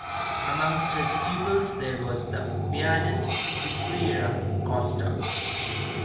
Amongst his pupils there was the pianist Sequeira Costa.